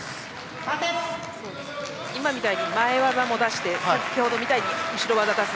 今みたいに前技を出してさっきみたいに後ろ技を出す。